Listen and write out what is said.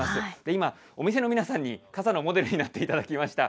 今、お店の皆さんに傘のモデルになっていただきました。